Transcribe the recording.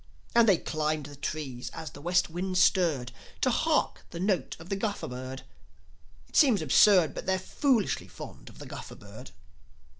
And they climbed the trees, as the West wind stirred, To hark to the note of the Guffer Bird. It seems absurd, But they're foolishly fond of the Guffer Bird.